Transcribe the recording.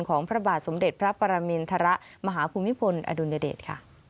ของพระบาทสมเด็จพระปรมินทระมหาคุณมิพลอดุลยเดชน์